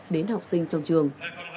đến học sinh trong trường